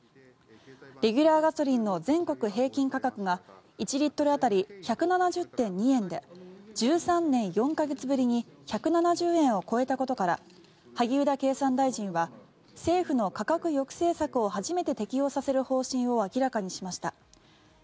レギュラーガソリンの全国平均価格が１リットル当たり１７０．２円で１３年４か月ぶりに１７０円を超えたことから萩生田経産大臣は政府の価格抑制策を初めて適用させる方針を明らかにしました。